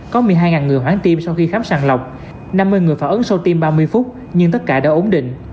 có một mươi hai người hoán tiêm sau khi khám sàng lọc năm mươi người phản ứng sau tiêm ba mươi phút nhưng tất cả đã ổn định